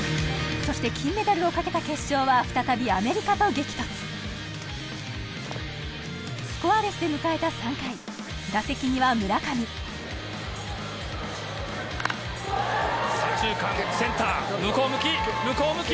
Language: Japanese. そして金メダルを懸けた決勝は再びアメリカと激突スコアレスで迎えた３回打席には左中間センター向こう向き向こう向き。